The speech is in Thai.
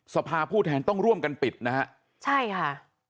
สภาผู้แทนต้องร่วมกันปิดนะฮะใช่ค่ะ